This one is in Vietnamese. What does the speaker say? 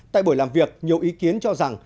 tại buổi làm việc nhiều ý kiến cho rằng